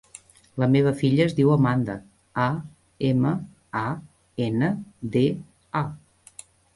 La meva filla es diu Amanda: a, ema, a, ena, de, a.